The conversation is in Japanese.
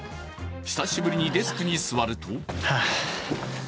久しぶりにデスクに座ると。